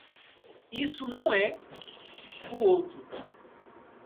Isso não é - o outro.